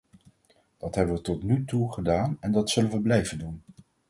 Dat hebben we tot nu toe gedaan en dat zullen we blijven doen.